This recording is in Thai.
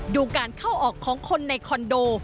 ดูการเข้าออกของคนในคอนโด